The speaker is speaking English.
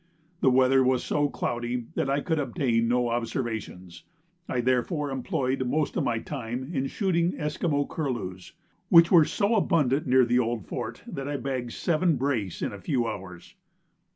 The weather was so cloudy that I could obtain no observations; I therefore employed most of my time in shooting Esquimaux curlews, which were so abundant near the Old Fort that I bagged seven brace in a few hours.